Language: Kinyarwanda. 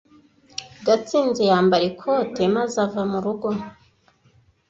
Gatsinzi yambara ikote maze ava mu rugo.